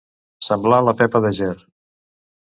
Semblar la Pepa de Ger.